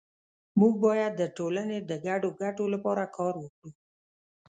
مونږ باید د ټولنې د ګډو ګټو لپاره کار وکړو